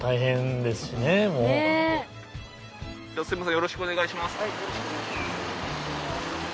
よろしくお願いします。